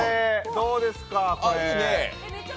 どうですか、これ。